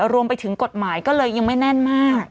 รวมไปถึงกฎหมายก็เลยยังไม่แน่นมาก